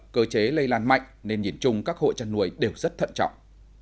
cơ chế lây lan mạnh nên nhìn chung các hộ chăn nuôi đều rất thận trọng